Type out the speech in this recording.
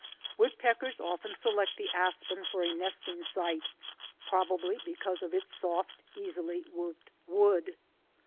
Woodpeckers often select the aspen for a nesting site, probably because of its soft, easily worked wood.